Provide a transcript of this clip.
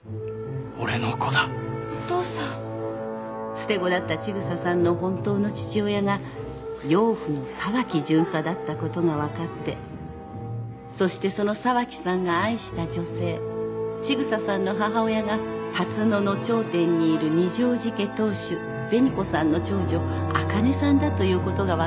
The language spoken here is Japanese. ［捨て子だった千草さんの本当の父親が養父の沢木巡査だったことが分かってそしてその沢木さんが愛した女性千草さんの母親が龍野の頂点にいる二条路家当主紅子さんの長女あかねさんだということが分かりました］